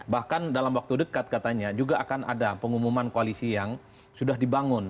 bahkan dalam waktu dekat katanya juga akan ada pengumuman koalisi yang sudah dibangun